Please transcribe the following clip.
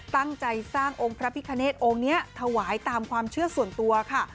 ตั้งใจสร้างองค์พระพิคเนตองค์นี้ถวายตามความเชื่อส่วนตัวค่ะ